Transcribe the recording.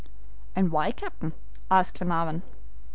"And why, captain?" asked Glenarvan.